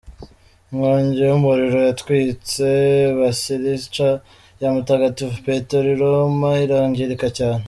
Inkongi y’umuriro yatwitse Basilica ya mutagatifu petero i Roma irangirika cyane.